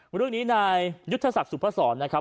วันเรื่องนี้นายยุทธศักดิ์สุภาษณ์นะครับ